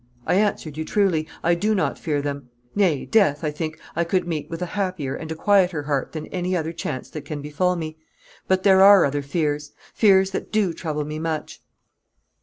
I answered you truly, I do not fear them; nay death, I think, I could meet with a happier and a quieter heart than any other chance that can befall me; but there are other fears; fears that do trouble me much."